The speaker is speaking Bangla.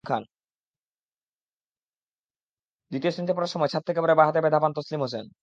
দ্বিতীয় শ্রেণিতে পড়ার সময় ছাদ থেকে পড়ে বাঁ হাতে ব্যথা পান তসলিম হোসেন।